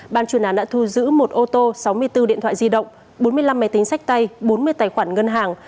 ban chuyên án đã thu giữ một ô tô sáu mươi bốn điện thoại di động bốn mươi năm máy tính sách tay bốn mươi tài khoản ngân hàng